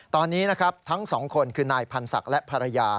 ตอนนี้ทั้งสองคนคือนายพรรษักและพรรภรรยา